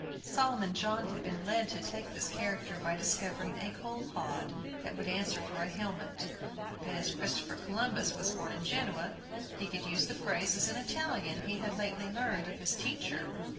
Solomon John had been led to take this character by discovering a coal hod that would answer for a helmet; then, as Christopher Columbus was born in Genoa, he could use the phrases in Italian he had lately learned of his teacher.